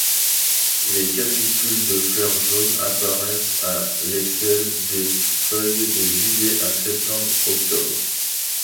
Les capitules de fleurs jaunes apparaissent à l'aisselle des feuilles de juillet à septembre-octobre.